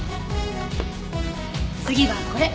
次はこれ。